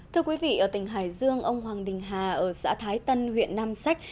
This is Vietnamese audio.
thưa quý vị ở tỉnh hải dương ông hoàng đình hà ở xã thái tân huyện nam sách